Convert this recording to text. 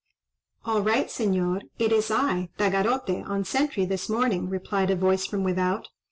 "All right Señor! it is I, Tagarote, on sentry this morning," replied a voice from without.